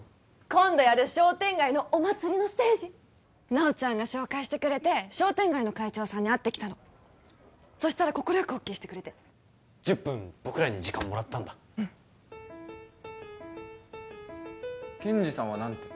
今度やる商店街のお祭りのステージ奈緒ちゃんが紹介してくれて商店街の会長さんに会ってきたのそしたら快くＯＫしてくれて１０分僕らに時間もらったんだケンジさんは何て？